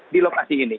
di lokasi ini